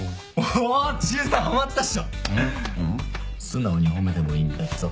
素直に褒めてもいいんだぞ。